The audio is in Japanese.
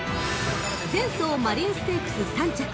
［前走マリーンステークス３着］